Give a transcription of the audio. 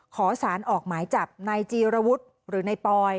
ขอสารออกหมายจับนายจีรวุฒิหรือนายปอย